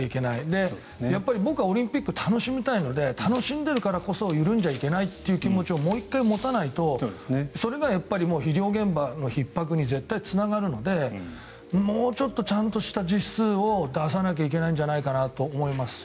僕はやっぱりオリンピックを楽しみたいので楽しみたいからこそ揺るんじゃいけないという気持ちをもう一度持たないとそれが医療現場のひっ迫に絶対つながるのでもうちょっとちゃんとした実数を出さなきゃいけないんじゃないかなと思います。